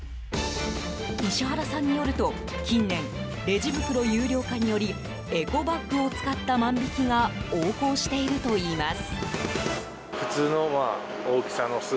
石原さんによると近年レジ袋有料化によりエコバッグを使った万引きが横行しているといいます。